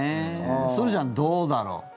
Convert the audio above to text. すずちゃん、どうだろう。